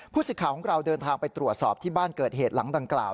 สิทธิ์ของเราเดินทางไปตรวจสอบที่บ้านเกิดเหตุหลังดังกล่าว